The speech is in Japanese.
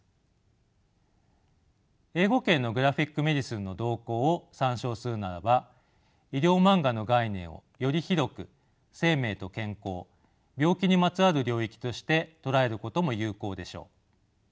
英語圏のグラフィック・メディスンの動向を参照するならば医療マンガの概念をより広く生命と健康病気にまつわる領域として捉えることも有効でしょう。